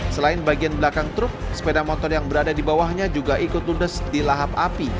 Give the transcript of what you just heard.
selain bagian belakang truk sepeda motor yang berada di bawahnya juga ikut ludes di lahap api